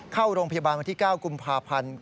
เข้าโรงพยาบาลวันที่๙กุมภาพันธ์